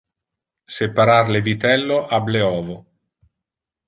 Separar le vitello ab le ovo.